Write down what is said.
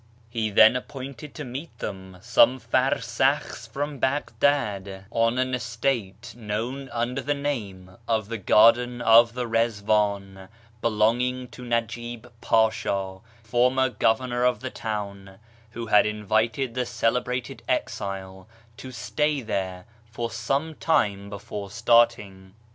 He then appointed to meet them some farsakhs from Baghdad, on an estate known under the name of the " Garden of the Rizwan," belonging to Nadjib Pacha, former governor of the town, who had invited the celebrated exile to stay there for some time before starting.